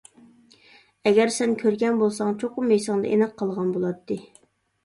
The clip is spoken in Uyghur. ئەگەر سەن كۆرگەن بولساڭ چوقۇم ئېسىڭدە ئېنىق قالغان بولاتتى.